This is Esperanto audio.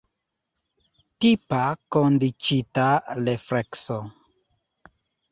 Tipa kondiĉita reflekso.